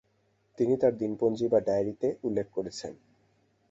তিনি তার দিনপঞ্জী বা ডায়রীতে উল্লেখ করেছেন -